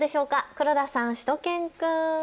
黒田さん、しゅと犬くん。